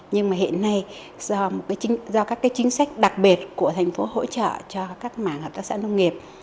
nhưng mà hiện nay do các chính sách đặc biệt của thành phố hỗ trợ cho các mảng hợp tác xã nông nghiệp